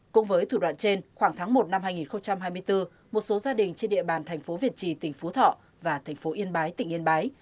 cũng với thủ đoạn trên khoảng tháng một năm hai nghìn hai mươi bốn một số gia đình trên địa bàn thành phố việt trì tỉnh phú thọ và thành phố yên bái tỉnh yên bái